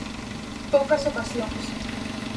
Poucas ocasións.